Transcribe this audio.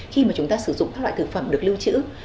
khi mà chúng ta sử dụng các loại thực phẩm được lưu trữ